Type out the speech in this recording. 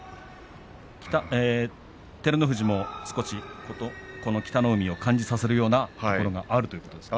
照ノ富士も少しこの北の湖を感じさせるようなところがあるということですか。